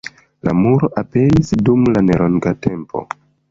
La muro aperis dum nelonga tempo.